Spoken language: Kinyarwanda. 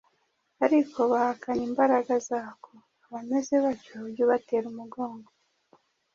ariko bahakana imbaraga zako: abameze batyo ujye ubatera umugongo.”